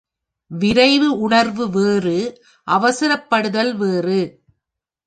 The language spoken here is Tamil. விரைவு உணர்வு வேறு அவசரப்படுதல் வேறு.